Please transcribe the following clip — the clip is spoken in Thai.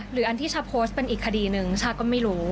อันที่ชาโพสต์เป็นอีกคดีหนึ่งชาก็ไม่รู้